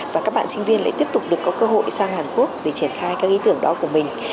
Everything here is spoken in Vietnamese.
và các bạn sinh viên lại tiếp tục được có cơ hội sang hàn quốc để triển khai các ý tưởng đó của mình